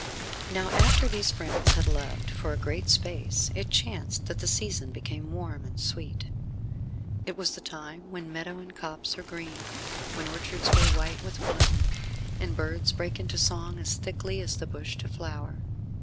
Now after these friends had loved for a great space it chanced that the season became warm and sweet. It was the time when meadow and copse are green; when orchards grow white with bloom, and birds break into song as thickly as the bush to flower.